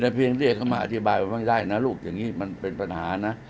เพียงเรียกเขามาอธิบายว่าไม่ได้นะลูกอย่างนี้มันเป็นปัญหานะ